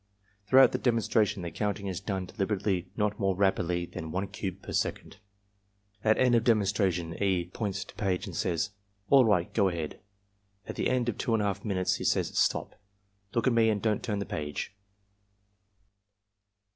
Throughout the demonstration the coimting is done delib erately, not more rapidly than one cube per second. At end of demonstration E. points to page and says, "All right. Go ahead." At the end of 2Vi8 minutes he says, "StopI look at me and don't timi the page."